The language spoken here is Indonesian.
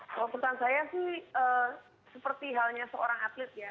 kalau pesan saya sih seperti halnya seorang atlet ya